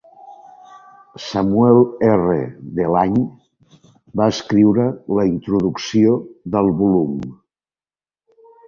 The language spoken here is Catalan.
Samuel R. Delany va escriure la introducció del volum.